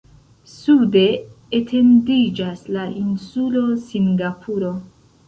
Sude etendiĝas la insulo Singapuro.